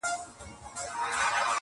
o چي ښکاري موږکان ټوله و لیدله,